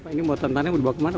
ini motor tanah yang dibawa kemana